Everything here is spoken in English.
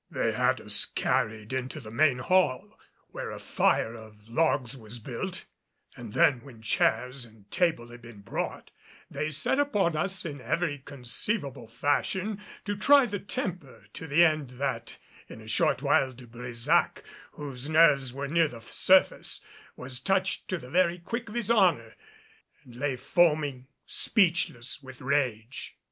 They had us carried into the main hall, where a fire of logs was built; and then when chairs and table had been brought, they set upon us in every conceivable fashion to try the temper; to the end that in a short while De Brésac, whose nerves were near the surface, was touched to the very quick of his honor and lay foaming, speechless with rage.